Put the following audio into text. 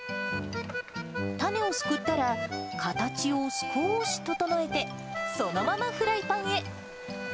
たねをすくったら、形を少し整えて、そのままフライパンへ。